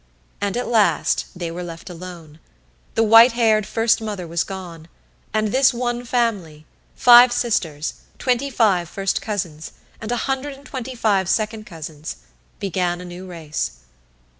And at last they were left alone; the white haired First Mother was gone, and this one family, five sisters, twenty five first cousins, and a hundred and twenty five second cousins, began a new race.